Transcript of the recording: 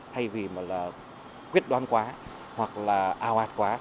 thay vì mà là quyết đoán quá hoặc là ào ạt quá